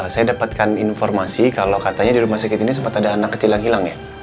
saya dapatkan informasi kalau katanya di rumah sakit ini sempat ada anak kecil yang hilang ya